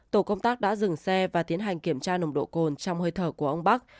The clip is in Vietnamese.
tổ công tác đã dừng xe và tiến hành kiểm tra nồng độ cồn trong hơi thở của ông bắc